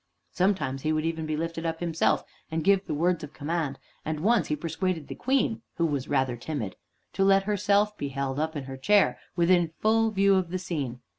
Sometimes he would even be lifted up himself and give the words of command; and once he persuaded the Queen, who was rather timid, to let herself be held up in her chair within full view of the scene.